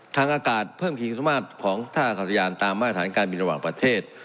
ทางอากาศเพิ่มขีดสามารถของท่าอากาศยานตามมาตรฐานการบินระหว่างประเทศ